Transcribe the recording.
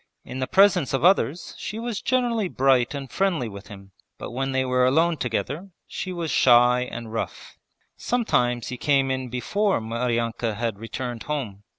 In the presence of others she was generally bright and friendly with him, but when they were alone together she was shy and rough. Sometimes he came in before Maryanka had returned home.